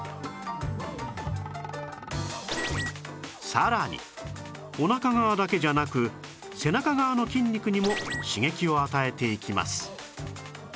さらにお腹側だけじゃなく背中側の筋肉にも刺激を与えていきます